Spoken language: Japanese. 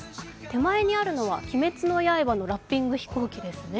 手前にあるのは「鬼滅の刃」のラッピング飛行機ですね。